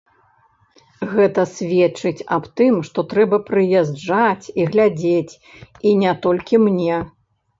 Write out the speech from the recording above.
Гэта сведчыць аб тым, што трэба прыязджаць і глядзець, і не толькі мне.